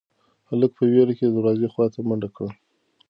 هلک په وېره کې د دروازې خواته منډه کړه.